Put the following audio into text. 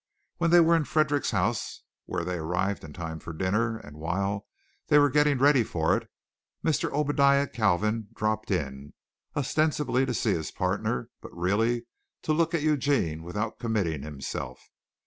When they were in the Fredericks house, where they arrived in time for dinner, and while they were getting ready for it, Mr. Obadiah Kalvin dropped in ostensibly to see his partner, but really to look at Eugene without committing himself.